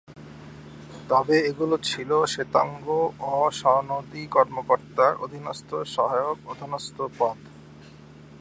তবে এগুলো ছিল শ্বেতাঙ্গ অ-সনদী কর্মকর্তার অধীনস্থ সহায়ক অধস্তন পদ।